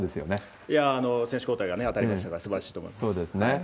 そうですね。